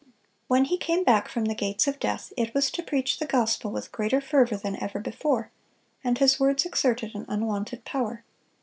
When he came back from the gates of death, it was to preach the gospel with greater fervor than ever before; and his words exerted an unwonted power.